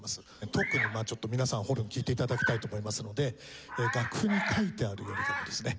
特にちょっと皆さんホルン聴いて頂きたいと思いますので楽譜に書いてあるよりかもですね